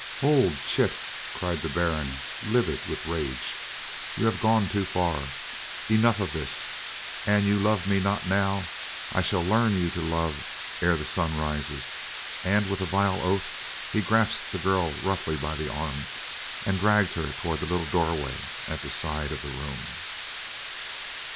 "Hold, chit!" cried the Baron, livid with rage. "You have gone too far. Enough of this; and you love me not now, I shall learn you to love ere the sun rises." And with a vile oath he grasped the girl roughly by the arm, and dragged her toward the little doorway at the side of the room.